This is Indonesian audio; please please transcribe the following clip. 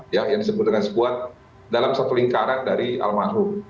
yang disebut dengan squad dalam satu lingkaran dari almarhum